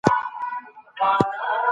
مقام د انسان په کړنو پورې اړه لري.